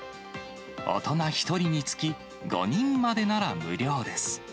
大人１人につき５人までなら無料です。